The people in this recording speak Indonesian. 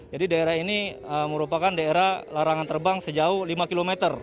daerah ini merupakan daerah larangan terbang sejauh lima km